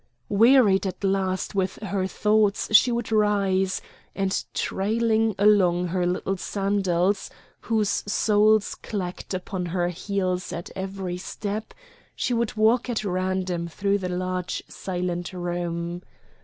Wearied at last with her thoughts she would rise, and trailing along her little sandals whose soles clacked upon her heels at every step, she would walk at random through the large silent room.